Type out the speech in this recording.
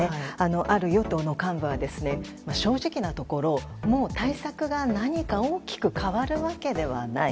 ある与党の幹部は正直なところもう対策が何か大きく変わるわけではない。